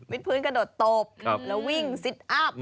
พื้นกระโดดตบแล้ววิ่งซิตอัพ